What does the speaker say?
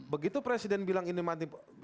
begitu presiden bilang ini mati